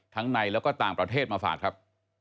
ในแล้วก็ต่างประเทศมาฝากครับ